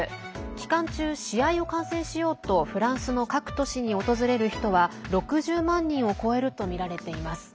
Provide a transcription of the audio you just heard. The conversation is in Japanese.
期間中、試合を観戦しようとフランスの各都市に訪れる人は６０万人を超えるとみられています。